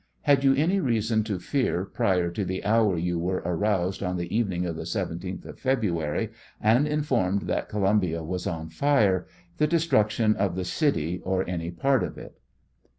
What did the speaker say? Had you any reason to fear prior to the hour you were aroused on the evening of the 17th of February and informed that Columbia was on fire, the destruc tion of the city or any part of it